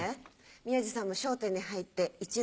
宮治さんも『笑点』に入って１年。